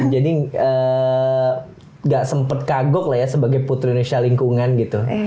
jadi gak sempat kagok lah ya sebagai putri indonesia lingkungan gitu